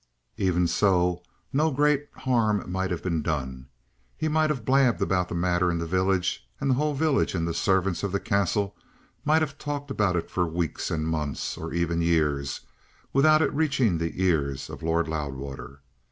Even so, no great harm might have been done. He might have blabbed about the matter in the village, and the whole village and the servants of the Castle might have talked about it for weeks and months, or even years, without it reaching the ears of Lord Loudwater.